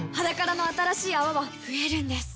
「ｈａｄａｋａｒａ」の新しい泡は増えるんです